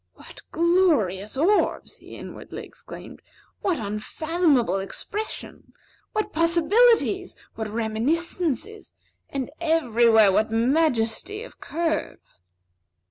"What glorious orbs!" he inwardly exclaimed. "What unfathomable expression! What possibilities! What reminiscences! And everywhere, what majesty of curve!"